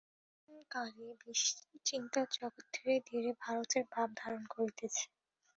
বর্তমানকালে চিন্তাজগৎ ধীরে ধীরে ভারতের ভাব গ্রহণ করিতেছে।